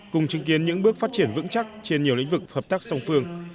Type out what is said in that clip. cùng chứng kiến những bước phát triển vững chắc trên nhiều lĩnh vực hợp tác song phương